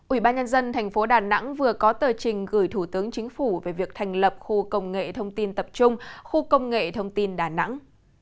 ủy ban nhân dân thành phố đà nẵng vừa có tờ trình gửi thủ tướng chính phủ về việc thành lập khu công nghệ thông tin tập trung khu công nghệ thông tin đà nẵng